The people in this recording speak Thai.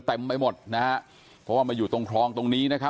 เต็มไปหมดนะฮะเพราะว่ามาอยู่ตรงคลองตรงนี้นะครับ